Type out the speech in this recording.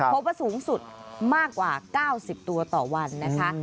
พบว่าสูงสุดมากกว่า๙๐ตัวต่อวันนะคะ